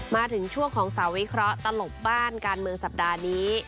มาถึงช่วงของสาววิเคราะห์ตลบบ้านการเมืองสัปดาห์นี้